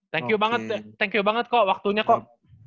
thank you banget thank you banget kok waktunya kok